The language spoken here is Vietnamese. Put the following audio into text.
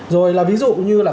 rồi là ví dụ như là